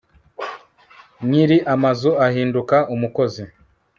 nyiri amazu ahinduka umukozi